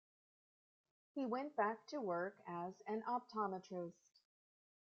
He went back to work as an optometrist.